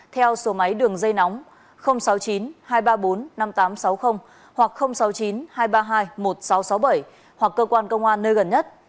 theo số máy đường dây nóng sáu mươi chín hai trăm ba mươi bốn năm nghìn tám trăm sáu mươi hoặc sáu mươi chín hai trăm ba mươi hai một nghìn sáu trăm sáu mươi bảy hoặc cơ quan công an nơi gần nhất